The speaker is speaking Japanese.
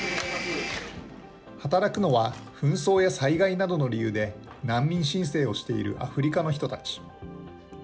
働くのは紛争や災害などの理由で、難民申請をしているアフリカの人たち。